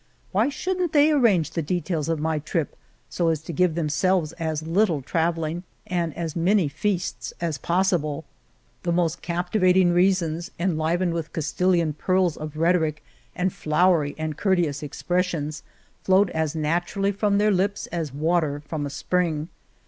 Why shouldn't they rearrange the details of my trip so as to give themselves as little travelling and as many feasts as pos 72 The Cave of Mohtesinos sible ? The most captivating reasons, en livened with Castilian pearls of rhetoric and flowery and courteous expressions, flowed as naturally from their lips as water from a spring.